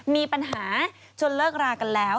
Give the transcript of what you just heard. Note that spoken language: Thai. มีปัญหาจนเลิกรากันแล้ว